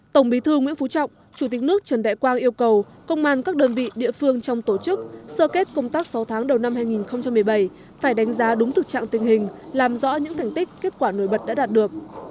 tổng bí thư nguyễn phú trọng chủ tịch nước trần đại quang yêu cầu công an các đơn vị địa phương trong tổ chức sơ kết công tác sáu tháng đầu năm hai nghìn một mươi bảy phải đánh giá đúng thực trạng tình hình làm rõ những thành tích kết quả nổi bật đã đạt được